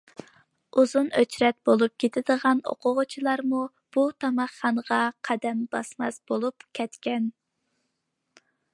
ئۇزۇن ئۆچرەت بولۇپ كېتىدىغان ئوقۇغۇچىلارمۇ بۇ تاماقخانىغا قەدەم باسماس بولۇپ كەتكەن.